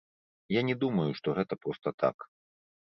Я не думаю, што гэта проста так.